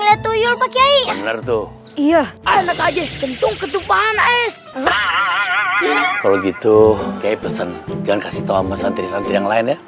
itu iya kentung ketupahan es kalau gitu oke pesan dan kasih tahu pesan tersentuh yang lainnya